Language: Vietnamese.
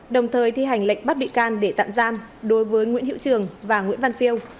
đồng thời thi hành lệnh bắt bị can để tạm giam đối với nguyễn hiệu trường và nguyễn văn phiêu